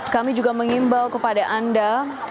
kami juga mengimbau kepada anda